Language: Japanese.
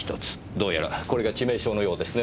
どうやらこれが致命傷のようですね。